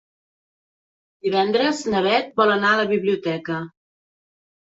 Divendres na Beth vol anar a la biblioteca.